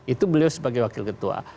itu beliau sebagai wakil ketua